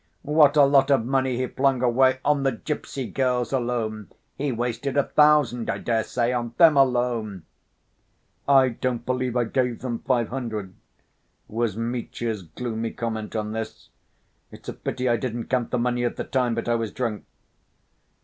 "What a lot of money he flung away on the gypsy girls alone! He wasted a thousand, I daresay, on them alone." "I don't believe I gave them five hundred," was Mitya's gloomy comment on this. "It's a pity I didn't count the money at the time, but I was drunk...."